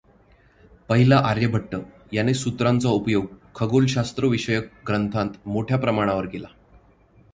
पहिला आर्यभट्ट याने सूत्रांचा उपयोग खगोलशास्त्र विषयक ग्रंथांत मोठ्या प्रमाणावर केला.